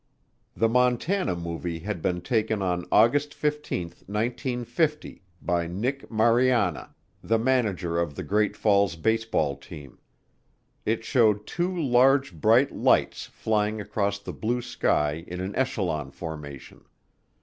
The Montana Movie had been taken on August 15, 1950, by Nick Mariana, the manager of the Great Falls baseball team. It showed two large bright lights flying across the blue sky in an echelon formation.